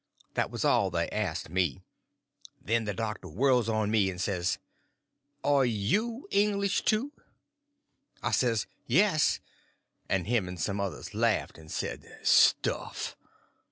That was all they asked me. Then the doctor whirls on me and says: "Are you English, too?" I says yes; and him and some others laughed, and said, "Stuff!"